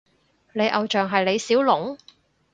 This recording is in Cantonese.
你偶像係李小龍？